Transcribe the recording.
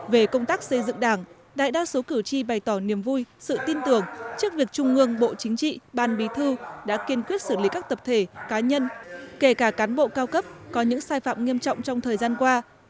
về công tác xây dựng đảng đại đa số cử tri bày tỏ niềm vui sự tin tưởng trước việc trung ương bộ chính trị ban bí thư đã kiên quyết xử lý các tập thể cá nhân kể cả cán bộ cao cấp có những sai phạm nghiêm trọng trong thời gian qua